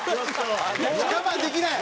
「もう我慢できない」。